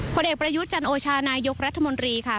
ผลเอกประยุทธ์จันโอชานายกรัฐมนตรีค่ะ